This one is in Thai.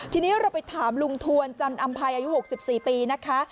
ทีนี้เราไปถามลุงทวนจันอำภัยอายุ๖๔ปีนะคะ